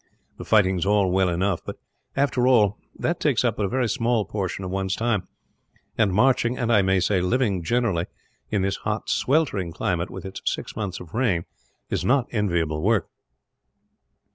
The fighting is all well enough but, after all, that takes up but a very small portion of one's time; and marching and, I may say, living generally in this hot, sweltering climate, with its six months of rain, is not enviable work.